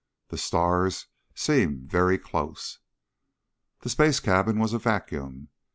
The stars seemed very close. The space cabin was a vacuum.